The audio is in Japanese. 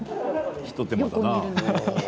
一手間だな。